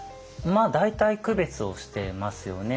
まあ大体区別をしてますよね。